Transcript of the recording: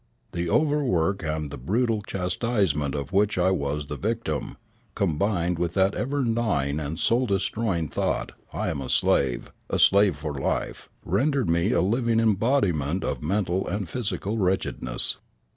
The overwork and the brutal chastisements of which I was the victim, combined with that ever gnawing and soul destroying thought, 'I am a slave, a slave for life,' rendered me a living embodiment of mental and physical wretchedness."